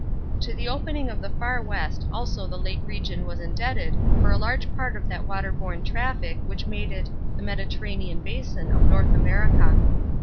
To the opening of the Far West also the Lake region was indebted for a large part of that water borne traffic which made it "the Mediterranean basin of North America."